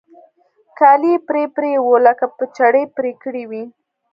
كالي يې پرې پرې وو لکه په چړې پرې كړي وي.